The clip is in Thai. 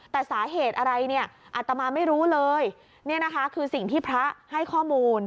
แต่สาเหตุอะไรเนี่ยอัตมาไม่รู้เลยนี่นะคะคือสิ่งที่พระให้ข้อมูล